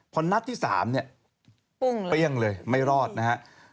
พอนัดที่๓เนี่ยเปรี้ยงเลยไม่รอดนะฮะ